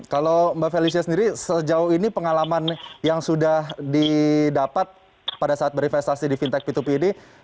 kalau mbak felicia sendiri sejauh ini pengalaman yang sudah didapat pada saat berinvestasi di fintech p dua p ini